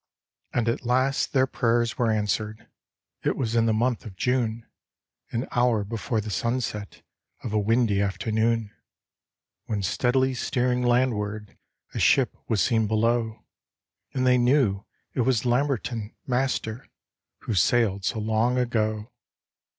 And at last their prayers were answered: It was in the. month of June, An hour before the sunset Of a windy afternoon. When steadily steering landward, A ship was seen below, And they knew it was Lamberton, Master, Who sailed so long ago.